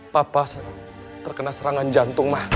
papa terkena serangan jantung mah